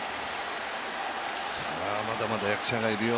まだまだ役者がいるよ。